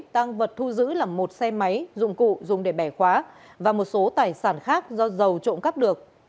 tăng vật thu giữ là một xe máy dụng cụ dùng để bẻ khóa và một số tài sản khác do dầu trộm cắp được